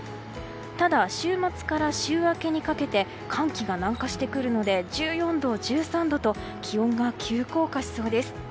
ただ、週末から週明けにかけて寒気が南下してくるので１４度、１３度と気温が急降下しそうです。